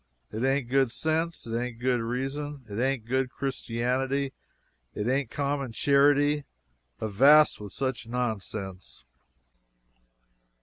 It ain't good sense, it ain't good reason, it ain't good Christianity, it ain't common human charity. Avast with such nonsense!"